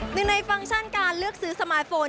หนึ่งในฟังก์ชั่นการเลือกซื้อสมาร์ทโฟน